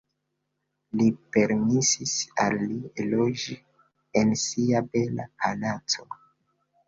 Li permesis al li loĝi en sia bela palaco.